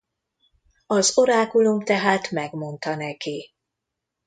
Az orákulum tehát megmondta neki.